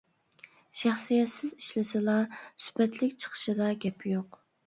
شەخسىيەتسىز ئىشلىسىلا، سۈپەتلىك چىقىشىدا گەپ يوق.